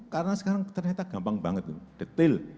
karena sekarang ternyata gampang banget detail